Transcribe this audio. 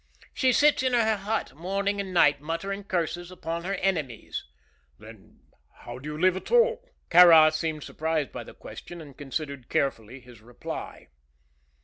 "She sits in her hut morning and night, muttering curses upon her enemies." "Then how do you live at all?" Kāra seemed surprised by the question, and considered carefully his reply.